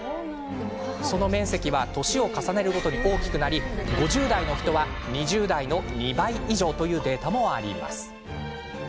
その面積は年を重ねるごとに大きくなり５０代の人は２０代の２倍以上というデータもあります。